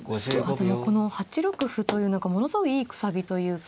ああでもこの８六歩というのがものすごいいいくさびというか。